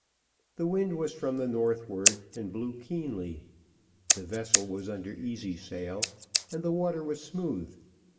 The wind was from the northward and blew keenly, the vessel was under easy sail, and the water was smooth.